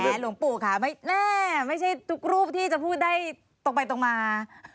หลวงปู่ค่ะไม่ใช่ทุกรูปที่จะพูดได้ตรงไปตรงมา